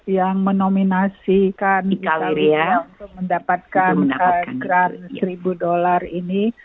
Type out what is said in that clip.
yang menominasikan kita untuk mendapatkan grant seribu dolar ini